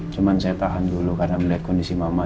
cuma saya tahan dulu karena melihat kondisi mama